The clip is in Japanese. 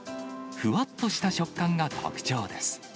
ふわっとした食感が特徴です。